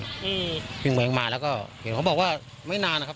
อืมพิงเมืองมาแล้วก็เห็นเขาบอกว่าไม่นานนะครับ